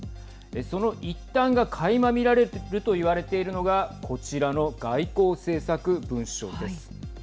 その一端がかいま見られるといわれているのがこちらの外交政策文書です。